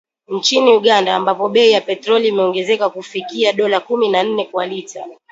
Nchini Uganda, ambapo bei ya petroli imeongezeka kufikia dola kumi na nne kwa lita